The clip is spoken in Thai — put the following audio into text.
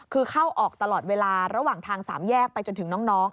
คือเข้าออกตลอดเวลาระหว่างทางสามแยกไปจนถึงน้อง